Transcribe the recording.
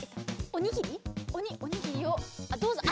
おにおにぎりをどうぞ。